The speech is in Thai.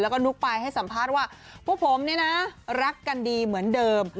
แล้วก็นุ๊กไปให้สัมภาษณ์ว่าพวกผมเนี่ยนะรักกันดีเหมือนเดิม